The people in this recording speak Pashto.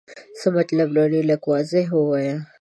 څه مطلب لرې ؟ لږ واضح ووایه.